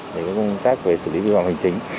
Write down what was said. về công tác về xử lý vi phạm hành chính